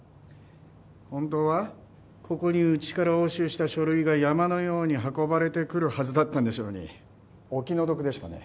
本当はここにうちから押収した書類が山のように運ばれてくるはずだったんでしょうにお気の毒でしたね。